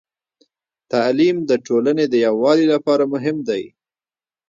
تعليم د ټولنې د يووالي لپاره مهم دی.